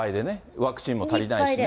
ワクチンも足りないしね。